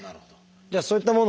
じゃあそういったものをね